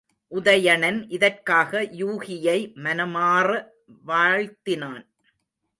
உதயணன் இதற்காக யூகியை மனமாற வாழ்த்தினான்.